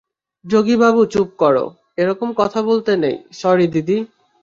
যোগীবাবু, চুপ কর, - এরকম কথা বলতে নেই - স্যরি, দিদি।